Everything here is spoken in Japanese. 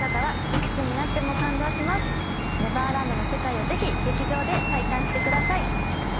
ネバーランドの世界をぜひ劇場で体感してください。